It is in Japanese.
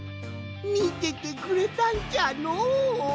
みててくれたんじゃのう。